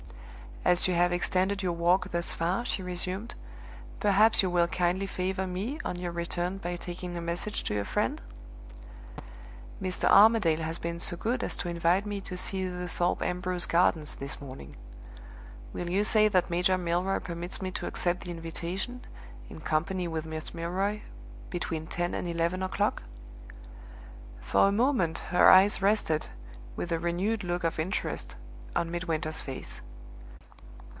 "As you have extended your walk thus far," she resumed, "perhaps you will kindly favor me, on your return, by taking a message to your friend? Mr. Armadale has been so good as to invite me to see the Thorpe Ambrose gardens this morning. Will you say that Major Milroy permits me to accept the invitation (in company with Miss Milroy) between ten and eleven o'clock?" For a moment her eyes rested, with a renewed look of interest, on Midwinter's face.